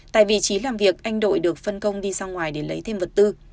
tại vị trí làm việc anh đội được phân công đi ra ngoài để lấy thêm vật tư